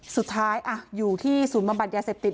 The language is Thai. สุดท้ายอยู่ที่ศูนย์บำบัดยาเสพติด